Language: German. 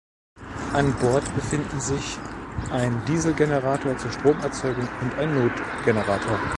An Bord befinden sich ein Dieselgenerator zur Stromerzeugung und ein Notgenerator.